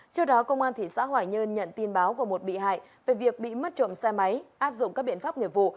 trước đó công an thị xã hòa nhân nhận tin báo của một bị hại về việc bị mất trộm xe máy áp dụng các biện pháp nhiệm vụ